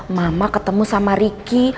mama ketemu sama ricky